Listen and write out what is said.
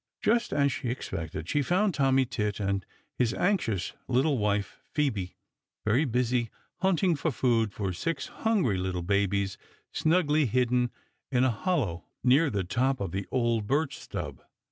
Just as she expected, she found Tommy Tit and his anxious little wife, Phoebe, very busy hunting for food for six hungry little babies snugly hidden in a hollow near the top of the old birch stub.